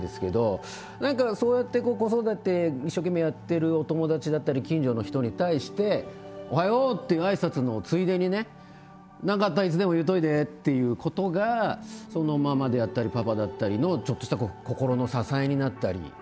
何かそうやって子育て一生懸命やってるお友達だったり近所の人に対しておはようっていう挨拶のついでにね「何かあったらいつでも言うといで」っていうことがママであったりパパだったりのちょっとした心の支えになったり。